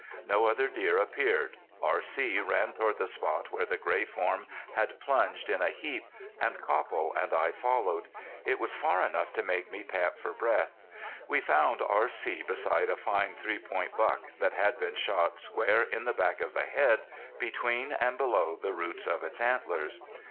No other deer appeared. R.C. ran toward the spot where the gray form had plunged in a heap, and Copple and I followed. It was far enough to make me pant for breath. We found R.C. beside a fine three point buck that had been shot square in the back of the head between and below the roots of its antlers.